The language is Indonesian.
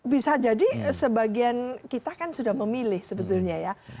bisa jadi sebagian kita kan sudah memilih sebetulnya ya